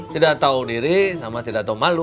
tidak tahu diri sama tidak tahu malu